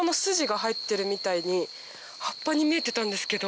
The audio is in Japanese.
みたいに葉っぱに見えてたんですけど。